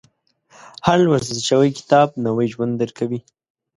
• هر لوستل شوی کتاب، نوی ژوند درکوي.